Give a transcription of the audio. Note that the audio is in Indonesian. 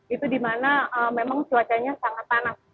itu di mana memang cuacanya sangat panas